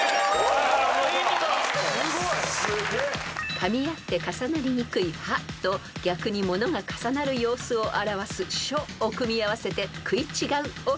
［かみ合って重なりにくい「歯」と逆に物が重なる様子を表す「且」を組み合わせて「食い違う」を表現］